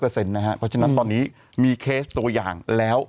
เพราะฉะนั้นตอนนี้มีเคสตัวอย่างแล้ว